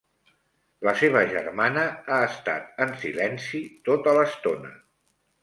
La seva germana ha estat en silenci tota l'estona.